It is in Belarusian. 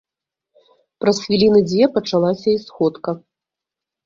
Праз хвіліны дзве пачалася і сходка.